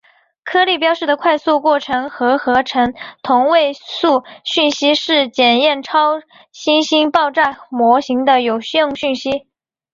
颗粒标示的快速过程核合成同位素讯息是检验超新星爆炸模型的有用讯息。